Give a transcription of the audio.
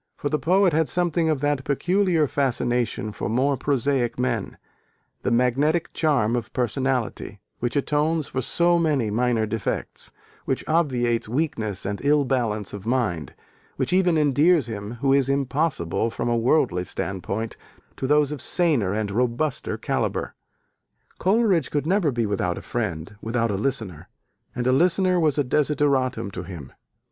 For the poet had something of that peculiar fascination for more prosaic men, that magnetic charm of personality, which atones for so many minor defects, which obviates weakness and ill balance of mind, which even endears him who is "impossible" from a worldly standpoint, to those of saner and robuster calibre. Coleridge could never be without a friend, without a listener: and a listener was a desideratum to him.